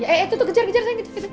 eh eh tuh kejar sayang